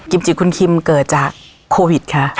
จิคุณคิมเกิดจากโควิดคะ